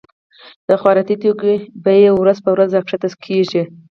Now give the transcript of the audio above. د خوراکي توکو بيي ورځ په ورځ را کښته کيږي.